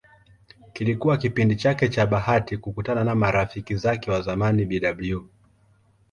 Kilikuwa kipindi chake cha bahati kukutana na marafiki zake wa zamani Bw.